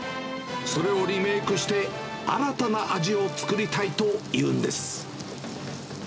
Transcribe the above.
それをリメークして、新たな味を作りたいというんです。